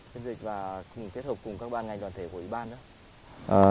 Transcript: phiên dịch và cùng kết hợp cùng các ban ngành đoàn thể của ý ban đó